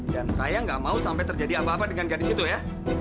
dan saya nggak mau sampai terjadi apa apa dengan gadis itu ya